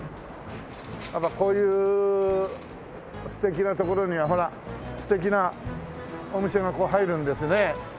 やっぱこういう素敵な所にはほら素敵なお店がこう入るんですね。